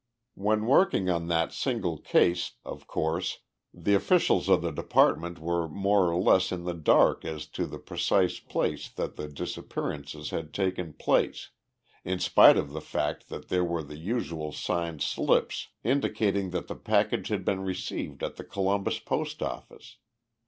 When working on that single case, of course, the officials of the department were more or less in the dark as to the precise place that the disappearance had taken place, in spite of the fact that there were the usual signed slips indicating that the package had been received at the Columbus Post Office.